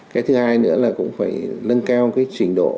cái thứ hai nữa là cũng phải nâng cao trình độ